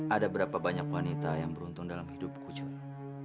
ada berapa banyak wanita yang beruntung dalam hidupku julia